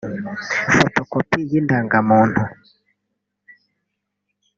fotokopi y’indangamuntu